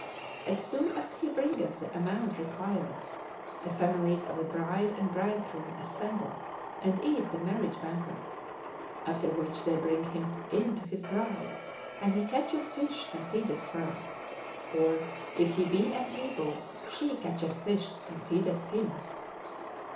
As soon as he bringeth the amount required, the families of the bride and bridegroom assemble and eat the marriage banquet; after which they bring him in to his bride, and he catcheth fish and feedeth her; or, if he be unable, she catcheth fish and feedeth him."